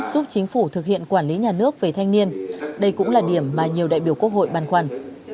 giúp chính phủ thực hiện quản lý nhà nước về thanh niên đây cũng là điểm mà nhiều đại biểu quốc hội băn khoăn